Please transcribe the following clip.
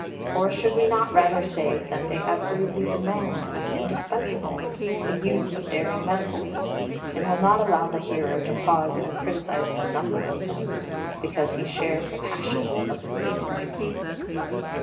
Or should we not rather say that they absolutely demand as indispensable the use of daring metaphors, and will not allow the hearer to pause and criticise the number of them, because he shares the passion of the speaker?